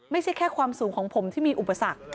ไม่ใช่แค่ความสูงของผมที่มีอุปสรรค